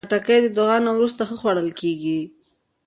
خټکی د دعا نه وروسته ښه خوړل کېږي.